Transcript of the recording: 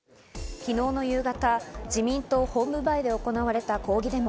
昨日夕方、自民党本部前で行われた抗議デモ。